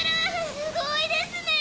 すごいですね！